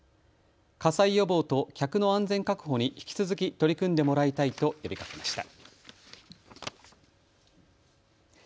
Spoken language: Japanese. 火災予防と客の安全確保に引き続き取り組んでもらいたいと呼びかけました。